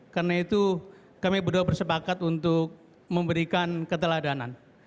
karena itu kami berdua bersepakat untuk memberikan keteladanan